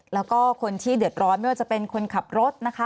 แล้วก็คนที่เดือดร้อนไม่ว่าจะเป็นคนขับรถนะคะ